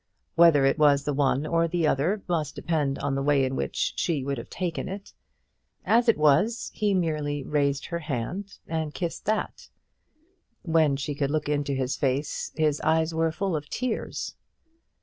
Whether it was the one or the other, must depend on the way in which she would have taken it. As it was, he merely raised her hand and kissed that. When she could look into his face his eyes were full of tears.